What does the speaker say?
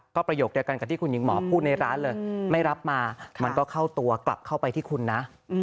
ก็ประโยคเดียวกันกับที่คุณหญิงหมอพูดในร้านเลยไม่รับมามันก็เข้าตัวกลับเข้าไปที่คุณนะ